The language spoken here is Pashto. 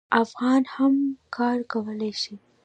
افغانان هم کار کولی شي.